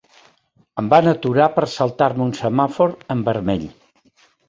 Em van aturar per saltar-me un semàfor en vermell.